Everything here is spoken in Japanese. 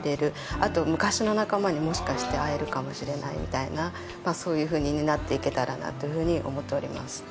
あと昔の仲間にもしかして会えるかもしれないみたいなそういうふうにねなっていけたらというふうに思っております